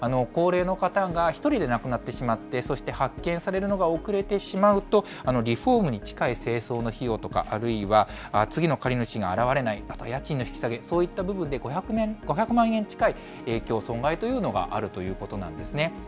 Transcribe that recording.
高齢の方が１人で亡くなってしまって、そして、発見されるのが遅れてしまうと、リフォームに近い清掃の費用とか、あるいは、次の借り主が現れない、あと家賃の引き下げ、そういった部分で５００万円近い損害というのがあるということなんですね。